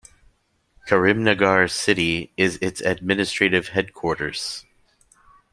Karimnagar city is its administrative headquarters.